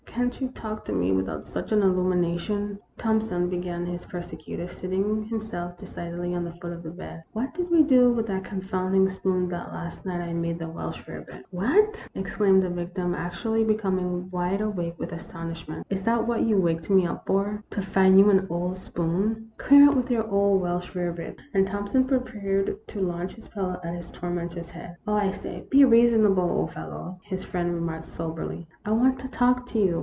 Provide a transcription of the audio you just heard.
"Can't you talk to me without such an illumination ?" "Thompson," began his persecutor, seating him self decidedly on the foot of the bed, " what did we do with that confounded spoon that last night I made the Welsh rarebit ?" 194 THE ROMANCE OF A SPOON. " What !" exclaimed the victim, actually becoming wide awake with astonishment. " Is that what you waked me up for, to find you an old spoon ? Clear out with your old Welsh rarebits." And Thompson prepared to launch his pillow at his tormentor's head. " Oh, I say, be reasonable, old fellow !" his friend remarked, soberly. " I want to talk to you.